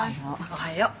おはよう。